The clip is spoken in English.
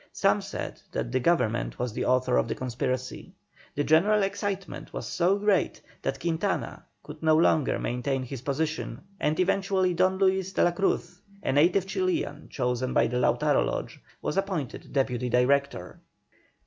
Some said that the Government was the author of the conspiracy. The general excitement was so great that Quintana could no longer maintain his position, and eventually Don Luis de la Cruz, a native Chilian, chosen by the Lautaro Lodge, was appointed Deputy Director.